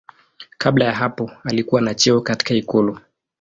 Kabla ya hapo alikuwa na cheo katika ikulu.